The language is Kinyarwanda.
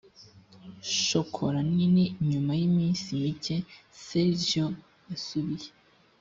shokola nini nyuma y iminsi mike sergio yasubiye